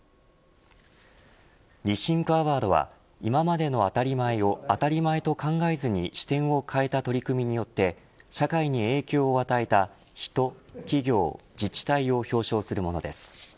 Ｒｅｔｈｉｎｋアワードは今までの当たり前を当たり前と考えずに視点を変えた取り組みによって社会に影響を与えた人、企業、自治体を表彰するものです。